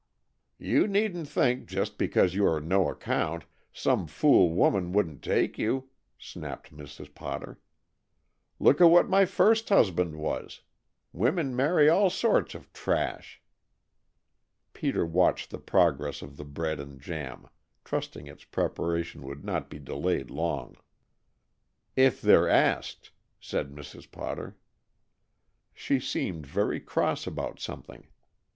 "You needn't think, just because you are no account, some fool woman wouldn't take you," snapped Mrs. Potter. "Look at what my first husband was. Women marry all sorts of trash." Peter watched the progress of the bread and jam, trusting its preparation would not be delayed long. "If they're asked," said Mrs. Potter. She seemed very cross about something.